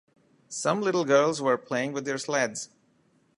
Some little girls were playing with their sleds.